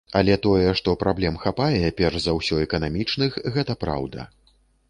Але тое, што праблем хапае, перш за ўсё эканамічных, гэта праўда.